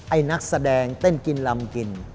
นักแสดงเต้นกินลำกิน